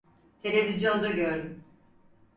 Televizyonda gördüm.